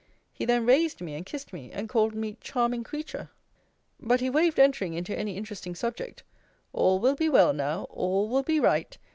He then raised me, and kissed me, and called me charming creature! But he waved entering into any interesting subject. All will be well now. All will be right!